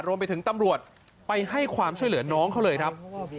รวมไปถึงตำรวจไปให้ความช่วยเหลือน้องเขาเลยครับ